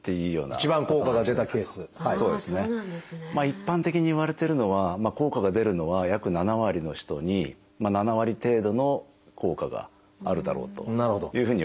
一般的にいわれてるのは効果が出るのは約７割の人に７割程度の効果があるだろうというふうにいわれてます。